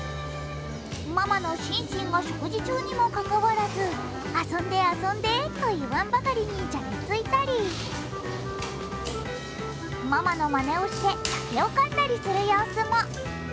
ママのシンシンが食事中にもかかわらず、遊んで、遊んでといわんばかりにじゃれついたりママのまねをして竹をかんだりする様子も。